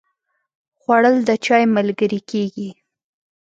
خوړل د چای ملګری کېږي